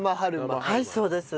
はいそうです。